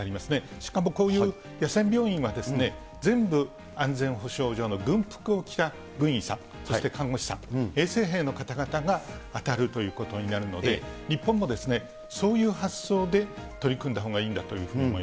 しかもこういう野戦病院はですね、全部、安全保障上の軍服を着た軍医さん、そして看護師さん、衛生兵の方々が当たるということになるので、日本もそういう発想で取り組んだほうがいいんだというふうに思い